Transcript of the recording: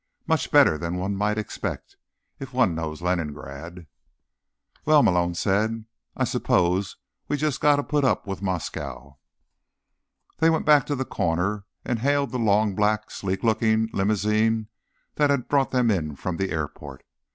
Much better than one might expect, if one knows Leningrad." "Well," Malone said, "I suppose we've just got to put up with Moscow." They went back to the corner, and hailed the long, black, sleek looking limousine that had brought them in from the airport.